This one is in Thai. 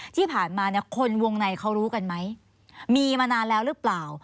ที่ผ่านมาเนี่ยคนวงในเขารู้กันไหมมีมานานแล้วหรือเปล่า